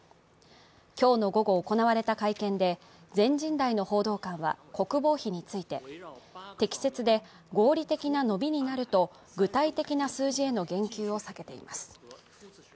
今日の午後行われた会見で全人代の報道官は国防費について、適切で合理的な伸びになると具体的な数字への言及を避けています。